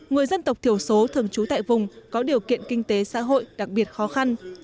người dân tộc thiểu số thường trú tại vùng có điều kiện kinh tế xã hội đặc biệt khó khăn